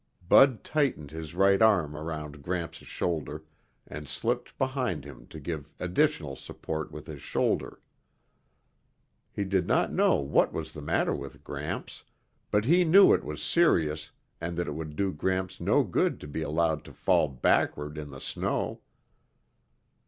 Bud tightened his right arm around Gramps' shoulder and slipped behind him to give additional support with his shoulder. He did not know what was the matter with Gramps, but he knew it was serious and that it would do Gramps no good to be allowed to fall backward in the snow.